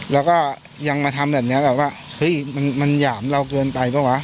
แล้วก็ยังมาทำแบบนี้แบบว่าเฮ้ยมันหยามเราเกินไปเปล่าวะ